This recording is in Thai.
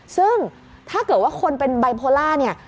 ซึ่งถ้าเกิดว่าคนเป็นไบโพล่าเนี่ย